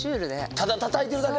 ただたたいてるだけ。